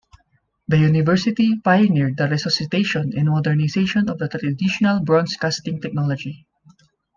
The university pioneered the resuscitation and modernization of the traditional bronze-casting technology.